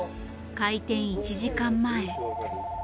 開店１時間前。